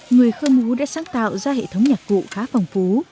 người khơ mú đã sáng tạo ra hệ thống nhạc cụ khá phong phú